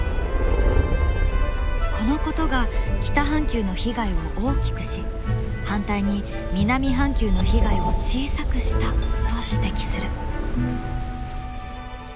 このことが北半球の被害を大きくし反対に南半球の被害を小さくしたと指摘する。